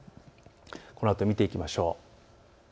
このあと見ていきましょう。